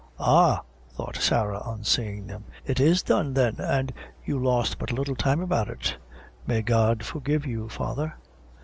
"Ah," thought Sarah, on seeing them; "it is done, then, an' you lost but little time about it. May God forgive you, father."